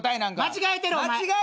間違えてるお前。